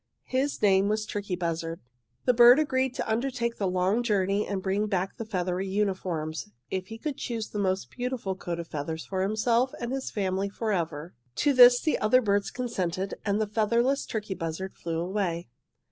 His name was turkey buzzard. "'The bird agreed to undertake the long journey and bring back the feathery uniforms, if he could choose the most beautiful coat of feathers for himself and his family for ever. "'To this the other birds consented, and the featherless turkey buzzard flew away.